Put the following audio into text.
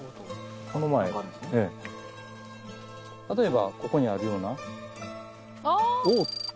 例えばここにあるような。